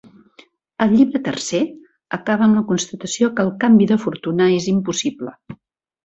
El llibre tercer acaba amb la constatació que el canvi de fortuna és impossible.